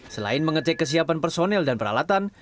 selain mengecek kesiapan personel dan peralatan